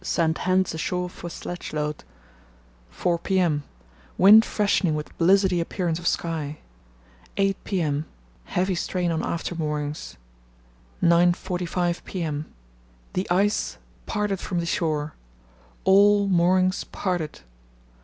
Sent hands ashore for sledge load. 4 p.m.—Wind freshening with blizzardy appearance of sky. 8 p.m.—. .. Heavy strain on after moorings. 9.45 p.m.—The ice parted from the shore; all moorings parted.